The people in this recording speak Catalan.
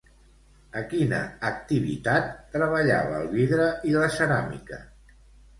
A quina activitat treballava el vidre i la ceràmica?